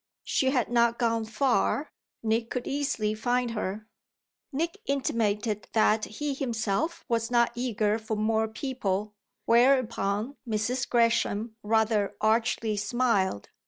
She had not gone far Nick could easily find her. Nick intimated that he himself was not eager for more people, whereupon Mrs. Gresham rather archly smiled.